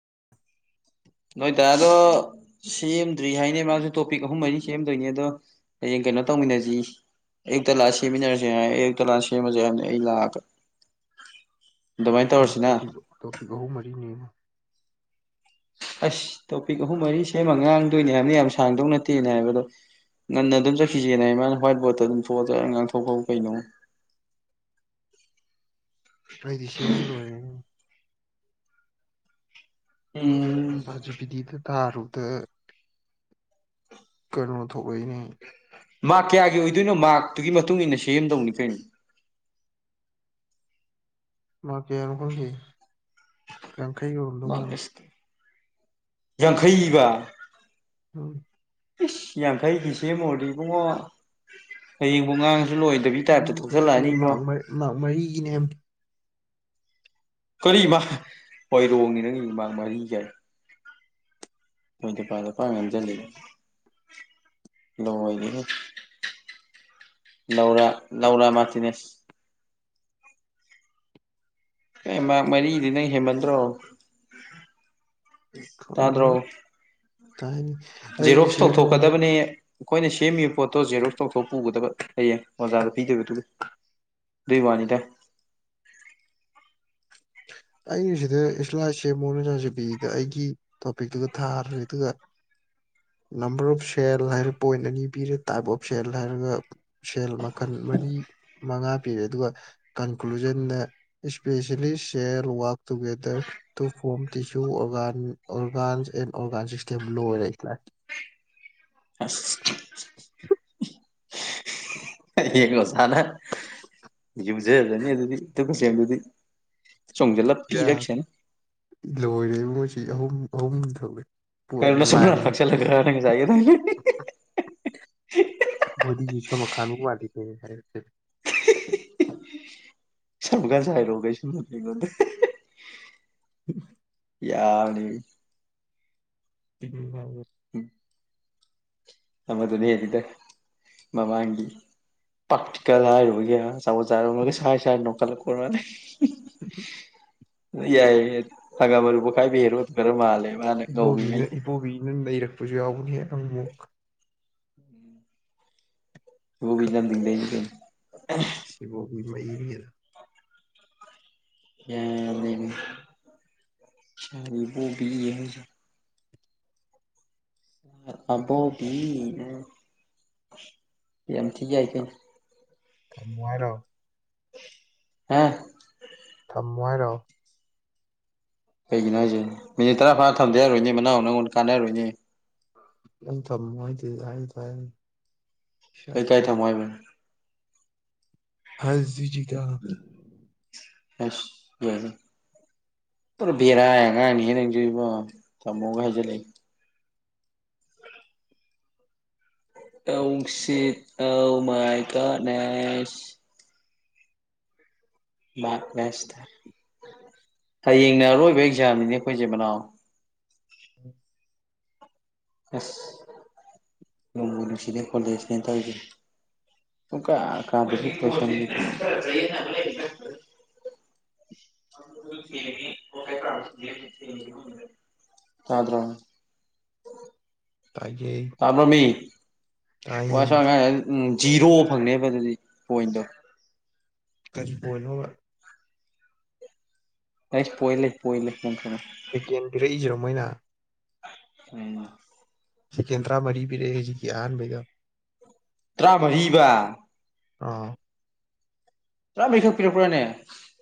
[inaudible] ꯅꯣꯏ ꯗꯥꯗꯣ ꯁꯦꯝꯗ꯭ꯔꯤ ꯍꯥꯏꯅꯦ ꯃꯥꯁꯨ ꯇꯣꯄꯤꯛ ꯑꯍꯨꯝ ꯃꯔꯤ ꯁꯦꯝꯗꯣꯏꯅꯦ ꯑꯗꯣ ꯍꯌꯦꯡ ꯀꯩꯅꯣ ꯇꯧꯃꯤꯟꯅꯁꯤ ꯑꯌꯨꯛꯇ ꯂꯥꯛꯑꯒ ꯁꯦꯝꯃꯤꯟꯅꯔꯁꯦ ꯑꯌꯨꯛꯇ ꯂꯥꯛ ꯑꯒ ꯁꯦꯝꯃꯁꯦ ꯍꯥꯏ ꯑꯩ ꯂꯥꯛꯑꯒ ꯑꯗꯨꯃꯥꯏꯅ ꯇꯧꯔꯁꯤꯅ ꯇꯣꯄꯤꯛ ꯇꯣꯄꯤꯛ ꯑꯍꯨꯝ ꯃꯔꯤꯅꯦꯕꯨ ꯑꯁ ꯇꯣꯄꯤꯛ ꯑꯍꯨꯝ ꯃꯔꯤ ꯁꯦꯝꯃ ꯉꯥꯡꯗꯣꯏꯅꯦ ꯍꯥꯏꯕꯅꯤ ꯌꯥꯝ ꯁꯥꯡꯗꯧ ꯅꯠꯇꯦ ꯍꯥꯏꯕ ꯑꯗꯣ ꯉꯟꯅ ꯑꯗꯨꯝ ꯆꯠꯈꯤꯁꯦꯅ ꯍꯥꯏ ꯃꯥꯅ ꯍ꯭ꯋꯥꯏꯠ ꯕꯣꯔꯗꯠꯇ ꯑꯗꯨꯝ ꯊꯣꯛꯑꯔꯒ ꯉꯥꯡꯊꯣꯛꯈꯧ ꯀꯩꯅꯣ [inaudible] ꯑꯩꯗꯤ ꯁꯦꯝꯃ ꯂꯣꯏꯔꯦ ꯎꯝ ꯆꯥꯠꯖꯤꯄꯤꯇꯤꯗ ꯇꯥꯔꯨꯗ ꯀꯩꯅꯣ ꯊꯣꯛꯂꯛ ꯏꯅꯦ ꯃꯥꯛ ꯀꯌꯥꯒꯤ ꯑꯣꯏꯗꯣꯏꯅꯣ ꯃꯥꯛꯇꯨꯒꯤ ꯃꯇꯨꯡ ꯃꯇꯨꯡꯏꯟꯅ ꯁꯦꯝꯗꯧꯅꯤ ꯀꯩꯅꯣ ꯃꯥꯛ ꯀꯌꯥꯅꯣ ꯈꯪ ꯌꯥꯡꯈꯩꯒꯤ ꯑꯣꯏꯔꯝꯗꯧ ꯃꯥꯔꯛ ꯃꯥꯜꯂꯦ ꯑꯁ ꯌꯥꯡꯈꯩꯕ ꯎꯝ ꯌꯥꯡꯈꯩ ꯒꯤ ꯁꯦꯝꯃꯨꯔꯗꯤ ꯏꯕꯨꯡꯉꯣ ꯍꯌꯦꯡꯕꯣꯛ ꯉꯥꯡꯉꯥꯅꯤ ꯂꯣꯏꯗꯕꯤꯒꯤ ꯇꯥꯏꯞꯇ ꯑꯗꯨꯗꯤ ꯊꯣꯛꯆꯜꯂꯛꯑꯅꯤꯀꯣ ꯃꯥꯔꯛ ꯃꯔꯤ ꯃꯥꯔꯛ ꯃꯔꯤꯒꯤꯅꯦ [inaudible] ꯍ [inaudible] [inaudible] ꯑꯦ ꯃꯔꯤꯗꯤ ꯅꯪ ꯍꯦꯃꯟꯗ꯭ꯔꯣ ꯇꯥꯗ꯭ꯔꯣ ꯈꯪꯗꯦꯍꯦ ꯇꯥꯏꯅꯤ ꯑꯩꯅ ꯖꯦꯔꯣꯛꯁ ꯁꯦꯝꯕꯅꯤꯗ ꯇꯧꯊꯣꯛꯀꯗꯕꯅꯤ ꯑꯩꯈꯣꯏꯅ ꯁꯦꯝꯃꯤꯕ ꯄꯣꯠꯇꯣ ꯖꯦꯔꯣꯛꯁ ꯇꯧꯊꯣꯛ ꯄꯨꯒꯗꯕ ꯍꯌꯦꯡ ꯑꯣꯖꯥꯗ ꯄꯤꯗꯣꯏꯕꯗꯨꯒꯤ ꯋꯥꯅꯤꯗ [inaudible] ꯑꯩꯅ ꯁꯤꯗ ꯏꯁꯂꯥꯏꯁꯦ ꯃꯣꯅ ꯆꯥꯖꯕꯤꯗ ꯑꯩꯒꯤ ꯇꯣꯄꯤꯛꯇꯨꯒ ꯊꯥꯈ꯭ꯔꯦ ꯑꯗꯨꯒ ꯅꯝꯕꯔ ꯑꯣꯐ ꯁꯦꯜ ꯍꯥꯏꯔꯦ ꯄꯣꯏꯟ ꯑꯅꯤ ꯄꯤꯔꯦ ꯇꯥꯏꯞ ꯑꯣꯐ ꯁꯦꯜ ꯍꯥꯏꯔꯒ ꯁꯦꯜ ꯟ ꯃꯔꯤ ꯃꯉꯥ ꯄꯤꯔꯦ ꯑꯗꯨꯒ ꯀꯟꯀ꯭ꯂꯨꯖꯟꯗ especially cell work together to form tissue organ and organ system ꯎꯍꯤꯁ ꯑ ꯎꯝ ꯍꯌꯦꯡ ꯑꯣꯖꯅ ꯌꯨꯖꯖꯅꯤ ꯑꯗꯨꯗꯤ ꯇꯀ ꯁꯦꯝꯗꯨꯗꯤ ꯆꯣꯡꯖꯜꯂ ꯄꯤꯔꯛꯁꯅꯤ ꯍꯣꯏꯁꯤ ꯑꯍꯨꯝ ꯑꯍꯨꯝ ꯊꯣꯛꯑꯦ ꯀꯔ ꯅ ꯁꯅ ꯐꯆꯂꯒ ꯆꯥꯏꯌꯦ ꯊ ꯃꯣꯗꯤ ꯖꯤꯁꯨ ꯃꯀꯥꯟ ꯎ ꯋꯥꯗ ꯍꯥꯏ ꯆꯝꯀ ꯆꯥꯏ ꯂꯣꯒꯦꯩꯁꯤ ꯃꯅꯤꯒꯗ ꯎ ꯌꯥꯅꯤ ꯎ ꯍ ꯎꯝ ꯑ ꯃꯗꯨ ꯅ ꯍꯔꯤꯗ ꯃꯥꯃꯒꯤꯤ ꯄꯥꯛꯇꯤꯀꯦꯜ ꯍꯥꯏꯔꯒ ꯆꯖꯥ ꯆꯥꯏ ꯆꯥꯏ ꯅꯀꯜꯦ ꯀ ꯌꯥꯏ ꯊꯒꯥꯕꯔ ꯎꯕꯨ ꯀꯥꯏ ꯍꯦꯔꯣ ꯈꯔ ꯃꯥꯜꯦ ꯏꯕꯣꯕꯤꯅ ꯏꯕꯣꯕꯤꯅ ꯂꯩꯔꯛꯄꯁꯨ ꯌꯥꯎꯕꯅꯦ ꯅꯪ ꯑꯃꯨꯛ ꯍꯕꯤꯂ ꯂꯩ ꯁꯤꯃꯣꯕꯤ ꯃꯩꯅꯤ ꯌꯥꯖꯤ ꯑꯕꯣꯕꯤꯅ ꯌꯥꯝ ꯊꯏꯈ ꯀꯃꯉꯥꯏꯔꯣ [unintelligible] ꯍꯥ ꯊꯝꯃꯣꯍꯥꯏꯔꯣ ꯀꯩꯒꯤꯅꯣ ꯍꯥꯏꯁꯦ ꯃꯤꯅꯤꯠ ꯇꯥꯔꯥ ꯐꯥꯅꯥ ꯊꯝꯗ ꯌꯥꯔꯣꯏꯅꯦ ꯃꯅꯥꯎ ꯅꯪꯉꯣꯟꯗ ꯀꯥꯟꯅꯔꯣꯏꯅꯦ ꯌꯥꯝ ꯊ ꯍꯥꯏ ꯇ ꯍꯥꯏ [unintelligible] ꯑꯩꯩ ꯀꯥꯏ ꯊꯃꯣ ꯍꯥꯏꯕ ꯍꯁꯖꯤꯖꯤ ꯀ [unintelligible] ꯑꯁ [unintelligible] ꯄꯨꯔꯥ ꯕꯦꯔꯥ ꯑꯉꯥꯡꯅꯤ ꯅꯪꯁꯨ ꯏꯕꯣ ꯊꯝꯃꯣꯒ ꯍꯥꯏꯖꯜꯂꯛꯦ ꯑꯧꯁꯤꯠ ꯑ ꯃꯥꯏ ꯀ ꯅꯁ [unintelligible] [unintelligible] ꯍꯌꯦꯡꯅ ꯑꯔꯣꯏꯕ ꯑꯦꯛꯖꯥꯝꯅꯤꯅꯦ ꯑꯩꯈꯣꯏꯁꯦ ꯃꯅꯥꯎ ꯑꯁ ꯅꯨꯪꯕꯨ ꯅꯨꯪꯁꯤꯟꯅꯦ ꯀꯣꯂꯦꯖ ꯅꯤ ꯇꯧꯔꯤꯁꯦ ꯀ ꯑ ꯀꯥ ꯄꯁꯕꯤ [unintelligible] [inaudible] ꯀ [inaudible] ꯇꯥꯗ꯭ꯔꯣ [inaudible] ꯇꯥꯕꯔꯥꯃꯤ ꯇꯥꯏꯃꯤ ꯋꯥꯁꯨꯉꯥꯡꯉꯥꯡꯗꯔ ꯎꯝ ꯖꯤꯔꯣ ꯐꯪꯅꯤꯕꯥ ꯑꯗꯨꯗꯤ ꯄꯣꯏꯟꯗꯣ ꯀꯔꯤ ꯄꯣꯏꯅꯑꯣꯕꯥ ꯑꯩ ꯄꯣꯏꯟ ꯂꯩ ꯄꯣꯏ ꯂꯩ ꯅꯪ ꯈꯪꯉꯣꯏ ꯄꯀꯦꯟ ꯄꯤꯔꯛꯏꯁꯤꯔꯣꯃꯣꯏꯅ [unintelligible] ꯎꯝ ꯁꯤꯀꯦꯟꯗ ꯇꯔꯥꯃꯔꯤ ꯄꯤꯔꯛꯑꯦ ꯍꯦꯖꯤꯛꯀꯤ ꯑꯍꯥꯟꯕꯩꯗ ꯇꯔꯥꯃꯔꯤꯕ [unintelligible] ꯇꯔꯃꯔꯤ ꯈꯛ ꯄꯤꯔꯛ ꯄꯔꯥꯅꯦ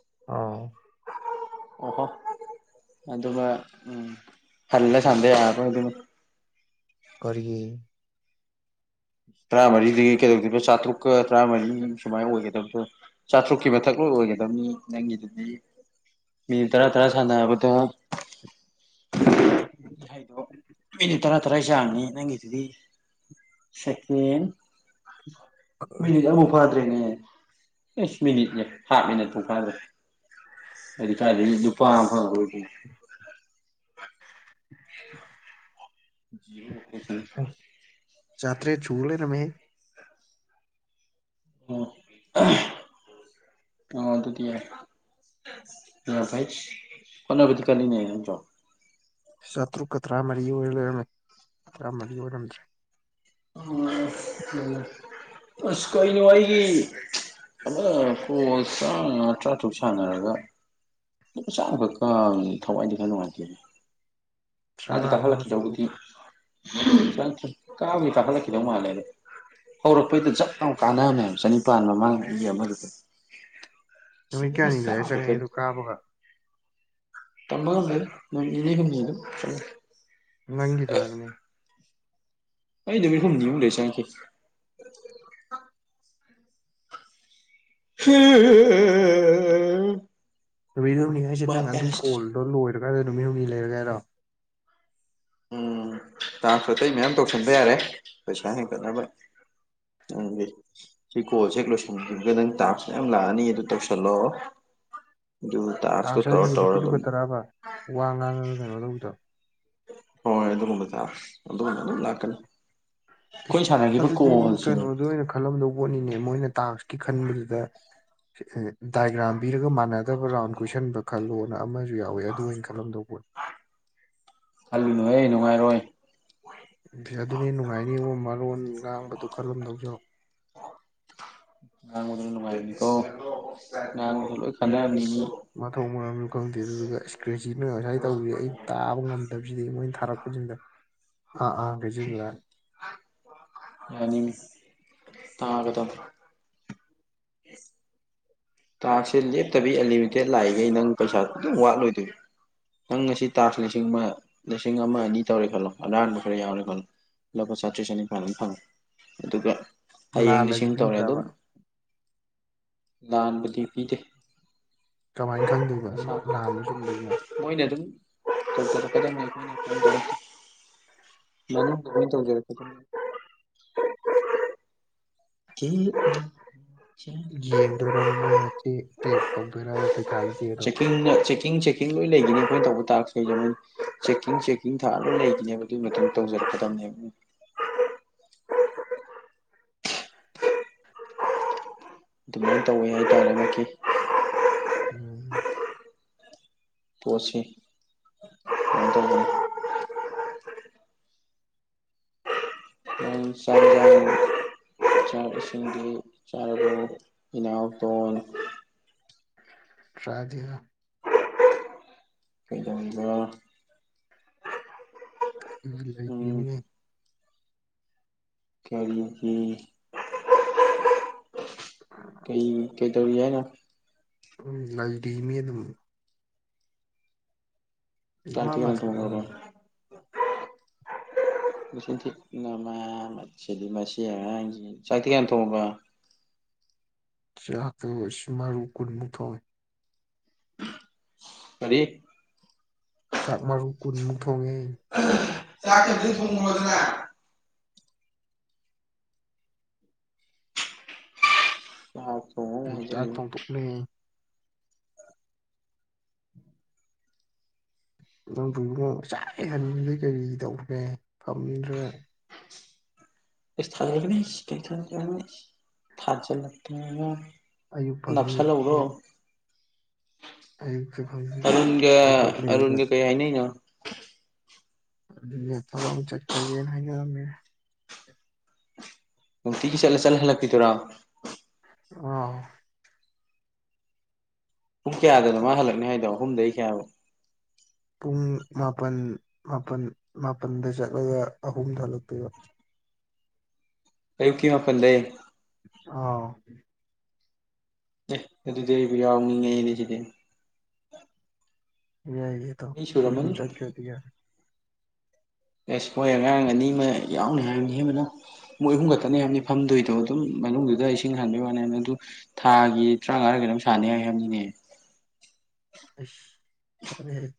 [unintelligible] ꯑꯣꯍꯣ ꯑꯃ ꯎꯝ ꯐꯜ ꯁꯗꯌꯥ [unintelligible] ꯀꯔꯤꯒꯤ ꯇꯔꯥꯃꯔꯤꯗꯤ ꯀꯩꯗꯧꯗꯣꯏꯔꯤꯕ ꯆꯥꯇ꯭ꯔꯨꯛꯀ ꯇꯔꯥꯃꯔꯤ ꯁꯨꯃꯥꯏꯅ ꯑꯣꯏꯒꯗꯕꯗꯣ ꯆꯥꯇ꯭ꯔꯨꯛꯀꯤ ꯃꯊꯛ ꯂꯣꯏ ꯑꯣꯏꯒꯗꯕꯅꯤ ꯅꯪꯒꯤꯗꯨꯗꯤ ꯃꯤꯅꯠ ꯇꯔꯥ ꯇꯔꯥ ꯁꯥꯟꯅꯔꯥꯕꯗ [inaudible] ꯍꯥꯏꯗꯣ ꯃꯤꯅꯤꯠ ꯇꯔꯥ ꯇꯔꯥ ꯆꯥꯡꯅꯤ ꯅꯪꯒꯤꯗꯨꯗꯤ ꯁꯦꯀꯦꯟ ꯃꯤꯅꯤꯠ ꯀꯔꯤ ꯑꯃꯕꯨ ꯐꯥꯗ꯭ꯔꯦꯅꯦ ꯑꯦ ꯃꯤꯅꯤꯠꯌꯦ ꯍꯥꯐꯃꯤꯅꯤꯠ ꯐꯥꯎ ꯐꯗꯔꯤ ꯑꯗꯨ ꯐ ꯍ [unintelligible] [inaudible] [inaudible] ꯆꯥꯇꯔꯦꯠ ꯁꯨꯂꯩꯔꯃꯦꯍꯦ ꯑꯣ ꯑ ꯑꯗꯨꯗꯤ ꯑ ꯐꯥꯏ ꯍꯣꯠꯅꯅꯕꯗꯤ ꯀꯜꯂꯤꯅꯦ ꯑꯗꯣ ꯆꯥꯇ꯭ꯔꯨꯛꯀ ꯇꯔꯥꯃꯔꯤ ꯑꯣꯏꯔ ꯂꯩꯔꯝꯃꯤ ꯇꯔꯥꯃꯔꯤ ꯑꯣꯏꯔꯃꯗꯔ꯭ꯦ ꯑꯦ ꯑꯖꯖ ꯀꯩꯅꯣ ꯑꯩꯒꯤ ꯑꯗ ꯄ ꯇ꯭ꯔꯕ ꯁꯅꯔꯒ [unintelligible] ꯂꯨꯄꯥ ꯆꯝꯃꯥ ꯈꯛ ꯀꯥꯕꯁꯤꯗꯤ ꯊꯋꯥꯏ ꯈꯤꯇꯥꯪ ꯅꯨꯡꯉꯥꯏꯇꯦꯅꯦ ꯀꯥꯗꯤ ꯆꯪꯉꯛ ꯑꯕꯕ ꯆꯪꯉꯨ ꯀꯥꯈꯠꯂꯛꯈꯤꯗꯧꯕꯗꯤ ꯀꯥꯕꯗꯤ ꯀꯥꯈꯠꯂꯛꯈꯤꯗꯧ ꯃꯥꯜꯂꯦ ꯍꯧꯔꯛꯄꯩꯗ ꯖꯞ ꯀꯥꯟꯅꯕꯅꯦꯕ ꯆꯅꯤꯄꯥꯟ ꯃꯃꯥꯡ ꯑꯩ ꯑꯃꯗꯨꯗ ꯁꯤ ꯅꯨꯃꯤꯠ ꯊ ꯀꯌꯥꯅꯤ ꯂꯩꯔ ꯆꯪꯉꯛꯑꯦ ꯑꯗꯨ [inaudible] ꯀꯥꯕꯒ ꯇꯝꯕꯒꯗ ꯏꯅꯦ ꯍ ꯆ ꯅꯪꯤ ꯇꯔꯅꯤ ꯑꯩ ꯅꯃꯤ ꯍꯅꯤꯨ ꯂꯩꯦꯁ ꯍ ꯅꯨꯃꯤꯠ ꯍꯨꯝꯅꯤ ꯍꯥꯏꯁꯦ ꯅꯪ ꯑꯗꯨ ꯀꯣꯜꯗꯣ ꯂꯣꯏꯔꯀꯥꯟꯗ ꯅꯨꯃꯤꯠ ꯍꯨꯝꯅꯤ ꯂꯩꯔꯒ ꯍꯥꯏꯔꯣ ꯎꯝ ꯇꯥꯟꯁꯨ ꯑꯇꯩ ꯃꯌꯥꯝ ꯇꯧꯁꯟꯕ ꯌꯥꯔꯦ ꯄꯩꯁꯥ ꯍꯦꯟꯒꯠꯅꯕ ꯅꯪ ꯁꯤ ꯀꯣꯜꯁ ꯍꯦꯛ ꯂꯣꯏꯁꯟꯒ ꯅꯪ ꯇꯥꯛꯁꯨ ꯌꯥꯝ ꯂꯥꯛꯑꯅꯤ ꯑꯗꯨ ꯇꯧꯁꯜꯂꯣꯑꯣ [inaudible] ꯇꯥꯡ ꯁ ꯍꯥꯏꯁꯦ ꯍꯧꯖꯤꯛꯀꯤꯗꯨ ꯑꯗꯨꯝ ꯈꯠꯇꯔꯛꯑꯕ ꯋꯥ ꯉꯥꯡꯉꯒ ꯀꯩꯅꯣ ꯇꯧꯕꯗꯣ ꯍꯣꯏ ꯑꯗꯨ ꯆ ꯑꯗꯨꯅꯤ ꯂꯥꯛꯀꯅꯤ ꯑꯩꯈꯣꯏ ꯏꯁꯁ ꯁꯥꯟꯅꯈꯤꯕ ꯑꯗꯨꯗꯤ ꯀꯣꯜꯁꯤꯅꯦ ꯀꯩꯅꯣꯗ ꯑꯣꯏꯅ ꯈꯜꯂꯝꯗꯕ ꯄꯣꯠꯅꯤꯅꯦ ꯃꯣꯏꯅ ꯇꯥꯡꯁꯀꯤ ꯈꯟꯕꯗꯨꯗ ꯗꯥꯏꯒ꯭ꯔꯥꯝ ꯄꯤꯔꯒ ꯃꯥꯟꯅꯗꯕ ꯔꯥꯎꯟ ꯀꯣꯏꯁꯟꯕ ꯈꯜꯂꯣꯅ ꯑꯃ ꯨ ꯌꯥꯎꯋꯤ ꯑꯗꯨ ꯑꯩꯅ ꯈꯜꯂꯝꯗꯧꯕ ꯈꯜꯂꯨꯅꯨꯍ ꯅꯨꯡꯉꯥꯏꯔꯣꯏ ꯑꯗꯨꯅꯦ ꯅꯨꯡꯉꯥꯏꯔꯤꯉꯣ ꯃꯔꯣꯟ ꯉꯥꯡꯕꯗꯨ ꯈꯔꯔꯝ ꯂꯧꯖꯔꯣ [unintelligible] ꯑꯣ ꯅꯪꯁꯨꯂꯣꯏ ꯈꯥꯟꯗꯅꯤ ꯃꯊꯣꯡ ꯃꯔꯝꯁꯨ ꯈꯪꯗꯦ ꯑꯗꯨꯗꯨꯒ ꯏꯁꯀ꯭ꯔꯦꯆ ꯉꯁꯥꯏ ꯇꯧꯕꯁꯦ ꯑꯩ ꯇꯥꯕ ꯉꯝꯗꯕꯁꯤꯗꯤ ꯃꯣꯏꯅ ꯊꯥꯔꯛꯄꯁꯤꯡꯗ ꯑꯥ ꯑꯥ ꯒꯖꯗ꯭ꯔ ꯇꯥꯡꯉꯒꯗꯗ꯭ꯔꯦ ꯑ ꯇꯥꯡꯁꯦ ꯂꯦꯞꯇꯕꯤ ꯑꯟꯂꯤꯃꯤꯇꯦꯠ ꯂꯥꯛꯏꯈꯩ ꯅꯪ ꯄꯩꯁꯥ ꯑꯗꯨꯝ ꯋꯥꯠꯂꯣꯏꯗꯣꯏ ꯅꯪ ꯉꯁꯤ ꯇꯥ ꯂꯤꯁꯤꯡ ꯂꯤꯁꯤꯡ ꯑꯃ ꯑꯅꯤ ꯇꯧꯔꯦ ꯈꯜꯂꯣ ꯑꯍꯥꯟꯕ ꯈꯔ ꯌꯥꯎꯔꯦ ꯈꯜꯂꯣ ꯂꯨꯄꯥ ꯆꯥꯇ꯭ꯔꯦꯠ ꯆꯅꯤꯄꯥꯜ ꯑꯗꯨꯝ ꯐꯪꯉꯦ ꯑꯗꯨꯒ ꯍꯌꯦꯡ ꯂꯥꯜꯂꯗꯤ ꯂꯤꯁꯤꯡ ꯇꯧꯔꯦ ꯑꯗꯨꯝ ꯄꯤꯗ꯭ꯔꯕ ꯂꯥꯟꯕꯗꯤ ꯄꯤꯗꯦ ꯀꯃꯥꯏꯅ ꯈꯪꯗꯣꯏꯕ ꯂꯥꯟꯕ ꯁꯨꯝꯕꯁꯤꯅꯣ ꯇꯔ ꯀꯔ ꯃ ꯇ [inaudible] ꯀ ꯌꯦꯡꯗꯣꯏꯔꯕ ꯃꯣꯏꯅ ꯆꯦꯛ ꯇꯧꯗꯣꯏꯔꯕ ꯄꯩꯈꯥ ꯏꯆꯦ ꯑꯗꯣ ꯆꯦꯛꯀꯤꯡꯅ ꯆꯦꯛꯀꯤꯡ ꯆꯦꯛꯀꯤꯡ ꯂꯣꯏ ꯂꯩꯈꯤꯅꯤ ꯑꯩꯈꯣꯏꯅ ꯇꯧꯕ ꯇꯥꯔꯣꯏꯗꯦ ꯃꯣꯏ ꯆꯦꯛꯀꯤꯡ ꯆꯦꯛꯀꯤꯡ ꯊꯔ ꯂꯣꯏ ꯂꯩꯈꯤꯅꯦꯕ ꯑꯗꯨꯒꯤ ꯃꯇꯨꯡ ꯇꯧꯖꯔꯛꯑꯦ [unintelligible] [inaudible] ꯑꯗꯨꯃꯥꯏꯅ ꯇꯧꯋꯤ ꯍꯥꯏꯇꯥꯔꯦ ꯃꯥꯀꯤ ꯎꯝ ꯄꯁꯤ ꯑꯗ [inaudible] ꯑ ꯁꯔꯖ ꯆꯥꯛ ꯏꯁꯤꯡꯗꯤ ꯆꯥꯔꯕ ꯏꯅꯥꯎꯊꯣꯟ ꯇ꯭ꯔꯥꯗꯒ [unintelligible] ꯎꯝ ꯂꯩꯕꯤꯔꯤꯅꯦ ꯈꯦꯔꯤꯄꯤ ꯀꯩ ꯀꯩ ꯇꯧꯔꯤ ꯍꯥꯏꯅ ꯎ ꯂꯥꯏꯗꯃꯤꯌ ꯑꯗꯨ ꯆꯥꯛꯇꯤ ꯂꯝꯃꯔ ꯀꯅꯥ ꯃꯥꯁ ꯊꯣꯡꯈ꯭ꯔꯕ ꯊꯤ ꯑꯃ ꯃ ꯑꯉꯥꯡꯁꯤ ꯆꯥꯛꯇꯤ ꯀꯅ ꯊꯣꯡꯕ ꯆꯥꯇꯁ ꯃꯥꯔꯨ ꯀꯨꯜꯃꯨꯊꯣꯏ ꯐꯔꯤ ꯆꯥꯛ ꯃꯔꯨ ꯀꯨꯟꯃꯨꯛ ꯊꯣꯡꯉꯦ ꯆ ꯑꯗꯨ ꯁꯉ ꯑꯗꯨꯅ ꯌꯥ ꯑꯩ ꯆꯥꯛ ꯊꯣꯡꯇꯣꯛꯂꯦ ꯅꯪ ꯆꯥꯟꯅꯤꯡꯩ ꯀꯔꯤ ꯇꯧꯈꯦ ꯐꯝꯃꯤꯗ꯭ꯔꯥ ꯏꯁ ꯊ ꯊꯥꯔꯖ ꯂ ꯑꯌꯨꯛ ꯐꯪꯉꯤ ꯅꯛꯁ ꯎꯔꯣ ꯑꯌꯨꯛꯇ ꯐꯪꯉꯤ ꯑꯔꯨꯟꯒ ꯍꯧꯒꯠ ꯂꯩꯔꯒ ꯑꯔꯨꯟꯒ ꯀꯩ ꯍꯥꯏ ꯅꯅ ꯊꯕ ꯆꯠꯄ ꯍꯥꯏ ꯇꯤꯒꯤ ꯆꯠꯂ ꯆꯂ ꯂꯄꯤ ꯇꯔꯥꯎ ꯑ ꯄꯨꯡ ꯀꯌꯥꯗꯅꯣ ꯃꯥ ꯍꯜꯂꯛꯅꯤ ꯍꯥꯏꯗꯣ ꯑꯍꯨꯝꯗꯒꯤ ꯀꯌꯥꯕꯨꯣ ꯄꯨꯡ ꯃꯥꯄꯜ ꯃꯥꯄꯜ ꯃꯥꯄꯜꯗ ꯆꯠꯂꯒ ꯑꯍꯨꯝ ꯊꯣꯛꯂꯛꯇꯄꯤꯔꯣ ꯀꯌ ꯀ ꯋꯥ ꯐꯟ ꯂꯩ ꯑꯥ ꯑꯦ ꯑꯗꯨꯗꯕꯤ ꯌꯥ ꯃꯤꯉ ꯂꯩꯁꯤꯗ ꯌꯥꯏꯌꯦ ꯑꯩꯣꯏ ꯍꯨꯝ ꯆꯪ ꯀꯗ ꯌꯥꯦ ꯑꯦꯁ ꯍꯣꯏ ꯉꯥꯡꯔ ꯑꯅꯤ ꯑꯃ ꯌꯥꯎꯅꯤ ꯍꯥꯏꯕꯅꯤ ꯍꯦꯕꯅ ꯃꯣꯏ ꯑꯍꯨꯝꯒꯛꯇꯅꯤ ꯍꯥꯏꯕꯅꯤ ꯐꯝꯗꯣꯏꯗꯣ ꯑꯗꯨꯝ ꯃꯅꯨꯡꯗꯨꯗ ꯏꯁꯤꯡ ꯁꯥꯟꯥꯟꯕꯒꯤ ꯋꯥꯅꯤ ꯑꯗꯨ ꯊꯥꯒꯤ ꯇꯔꯥꯃꯉꯥ ꯀꯩꯅꯣꯝ ꯁꯥꯟꯅꯩ ꯍꯥꯏ ꯍꯥꯏꯅꯤꯡꯅꯦ ꯑ ꯐꯔꯦ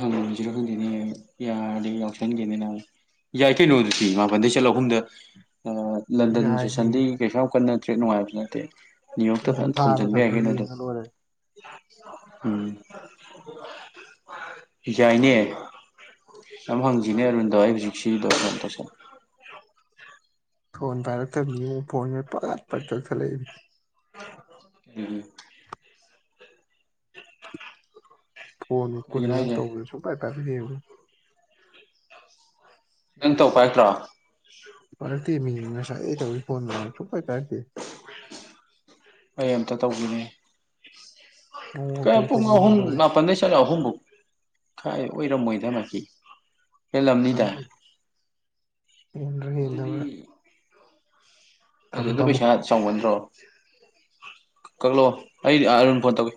ꯍꯪꯔꯝꯒꯦꯅꯤ ꯌꯥꯗꯤ ꯌꯥꯎꯁꯦꯅꯤꯅ ꯌꯥꯏ ꯀꯩꯅꯣ ꯑꯗꯨꯗꯤ ꯃꯥꯄꯟꯗꯩ ꯆꯠꯂꯣ ꯑꯍꯨꯝꯗ ꯂꯟꯗꯟ ꯌꯥꯏꯅꯦ ꯁꯦꯁꯟꯗꯤ ꯀꯩꯁꯨ ꯌꯥꯝ ꯀꯟꯅ ꯇ꯭ꯔꯦꯠ ꯅꯨꯡꯉꯥꯏꯕꯁꯨ ꯅꯠꯇꯦ ꯅꯅꯤꯌꯨ ꯌꯣꯛꯇ ꯑꯗꯨꯝ ꯐꯖꯅ ꯊꯥꯔ ꯊꯣꯝꯖꯤꯟꯕ ꯊꯝꯃ ꯌꯥꯒꯦꯅꯦ ꯑꯗꯨ ꯌꯦꯡꯉ ꯂꯣꯏꯔꯦ ꯎꯝ ꯌꯥꯥꯏꯅꯦ ꯌꯥꯝ ꯍꯪꯁꯤꯅꯤ ꯑꯔꯗꯋꯥꯏ ꯍꯧꯖꯤꯛꯁꯤꯇꯁ ꯐꯣꯟ ꯄꯥꯏꯔꯛꯇꯕꯅꯤ ꯐꯣꯟꯄꯄ ꯆꯊꯠꯂꯛꯏꯅꯤ ꯎꯝ ꯐꯅ ꯀꯩꯒꯤꯅꯣ ꯀꯨꯜꯅ ꯍꯥꯏꯁꯦ ꯇꯧꯁꯨ ꯄꯥꯏ ꯇꯔꯦ ꯅꯪ ꯇꯧꯕ ꯍꯥꯏꯠꯇ꯭ꯔꯣ ꯄꯔꯇ ꯃꯤ ꯉꯁꯥꯏ ꯇ ꯍꯧꯔꯤ ꯐꯣꯟꯒ ꯁꯄꯥꯏ ꯄꯥꯔꯇ ꯀ ꯑꯃꯝꯇ ꯇꯧꯈꯤꯅꯤ ꯃꯑꯣꯡ ꯀꯍ ꯃꯇꯧ ꯇꯧꯃꯤꯟꯅꯤ ꯂꯣꯏꯔꯦ ꯉꯄꯟ ꯆ ꯑꯍꯨꯝꯕ ꯀꯥꯏ ꯑꯣꯏꯔꯃꯣꯏꯗꯅꯀꯤ ꯀ ꯏ ꯏꯔ ꯑꯗꯨꯗꯣ ꯄꯩꯁꯥ ꯆ ꯆꯥꯎꯒꯟꯗ꯭ꯔꯣ ꯀꯛꯂꯣ ꯑꯩꯗꯤ ꯐꯣꯟ ꯇꯧꯒꯦ